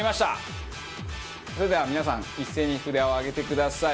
それでは皆さん一斉に札を上げてください。